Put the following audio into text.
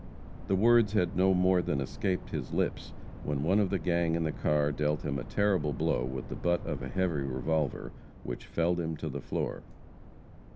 The words had no more than escaped his lips, when one of the gang in the car dealt him a terrible blow with the butt of a heavy revolver, which felled him to the floor.